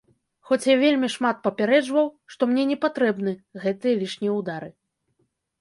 Хоць я вельмі шмат папярэджваў, што мне не патрэбны гэтыя лішнія ўдары.